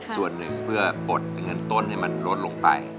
ส่วนหนึ่งเพื่อปลดเงินต้นให้มันลดลงไป